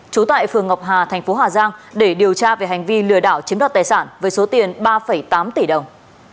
trú tại phường ngọc hà thành phố hà giang để điều tra về hành vi lừa đảo chiếm đoạt tài sản với số tiền ba tám tỷ đồng